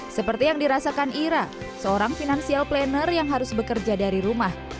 seperti yang dirasakan ira seorang finansial planner yang harus bekerja dari rumah